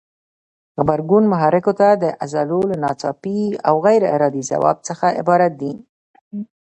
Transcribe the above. غبرګون محرکو ته د عضلو له ناڅاپي او غیر ارادي ځواب څخه عبارت دی.